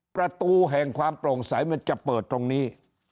ประตูแห่งความโปร่งใสมันจะเปิดตรงนี้